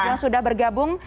yang sudah bergabung